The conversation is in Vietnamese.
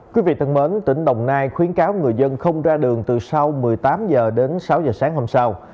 quý vị thân mến tỉnh đồng nai khuyến cáo người dân không ra đường từ sau một mươi tám h đến sáu h sáng hôm sau